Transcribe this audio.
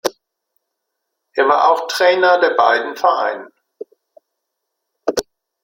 Er war auch Trainer bei beiden Vereinen.